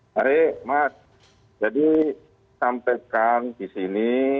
baik mas jadi sampaikan di sini